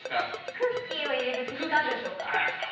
クッキーを入れると光る？